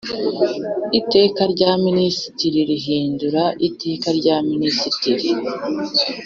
Iteka rya Minisitiri rihindura Iteka rya Minisitiri